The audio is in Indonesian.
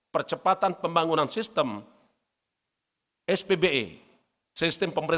perkemudian penguatan industri